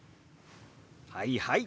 はいはい。